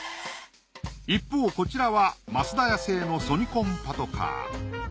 一方こちらは増田屋製のソニコン・パトカー。